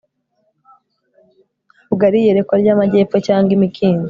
ntabwo ari iyerekwa ryamajyepfo, cyangwa imikindo